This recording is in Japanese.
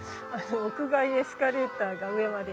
屋外エスカレーターが上まで。